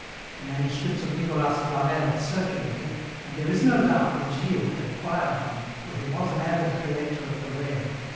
The manuscripts of Nicolas Flamel circulated, and there is no doubt that Gilles had acquired them, for he was an avid collector of the rare.